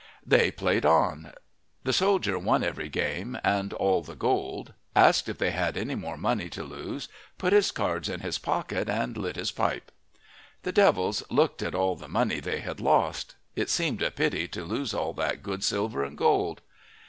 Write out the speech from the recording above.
They played on. The soldier won every game and all the gold, asked if they had any more money to lose, put his cards in his pocket and lit his pipe. The devils looked at all the money they had lost. It seemed a pity to lose all that good silver and gold.